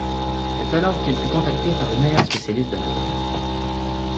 C’est alors qu’elle fut contactée par les meilleurs spécialistes de la langue